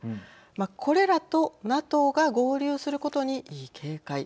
これらとＮＡＴＯが合流することに警戒。